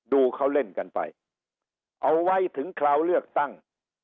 เขาเล่นกันไปเอาไว้ถึงคราวเลือกตั้ง